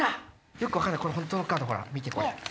よく分かんない本当のカードほら見てこれ。